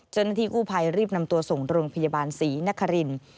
จนที่คู่ภัยรีบนำตัวส่งโรงพยาบาลศรีนคริน